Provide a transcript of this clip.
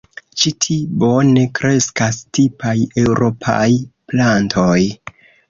Ĉi ti bone kreskas tipaj eŭropaj plantoj.